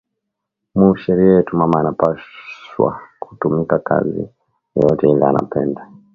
Mu sheria yetu mama anapashwa kutumika kazi yoyote ile anapenda